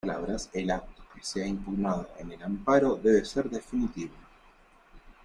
En otras palabras, el acto que sea impugnado en el amparo debe ser definitivo.